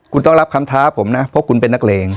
คุณต้องรับคำท้าผมนะเพราะคุณเป็นนักเลง